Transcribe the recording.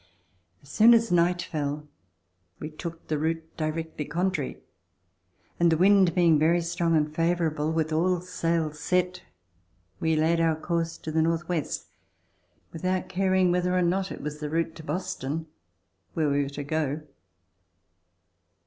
As soon as night fell, we took the route directly contrary, and, the wind being very strong and favorable, with all sails set, we laid our course to the northwest, without caring whether or not it was the route to Boston, where we were to go.